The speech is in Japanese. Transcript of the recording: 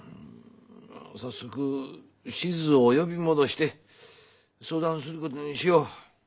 早速志津を呼び戻して相談することにしよう。